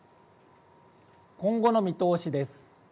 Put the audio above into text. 今後の見通しです。